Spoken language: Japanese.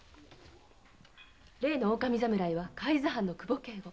例の侍は海津藩の久保圭吾。